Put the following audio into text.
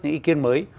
những ý kiến mới